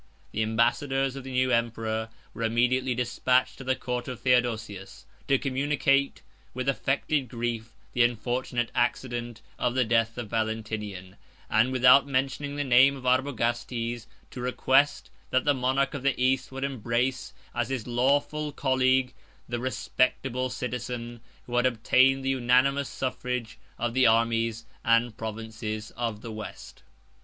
The ambassadors of the new emperor were immediately despatched to the court of Theodosius, to communicate, with affected grief, the unfortunate accident of the death of Valentinian; and, without mentioning the name of Arbogastes, to request, that the monarch of the East would embrace, as his lawful colleague, the respectable citizen, who had obtained the unanimous suffrage of the armies and provinces of the West.